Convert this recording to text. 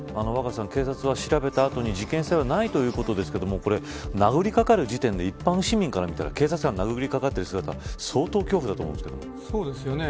警察は調べた後に事件性はないということですが殴りかかる時点で一般市民から見たら警察官に殴りかかっている姿相当恐怖だと思うんですけど。